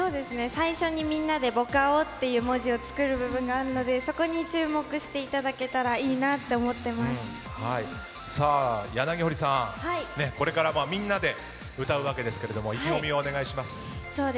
最初にみんなで僕青っていう文字を作るところがあるのでそこに注目してもらえると柳堀さん、これからみんなで歌うわけですが意気込みをお願いします。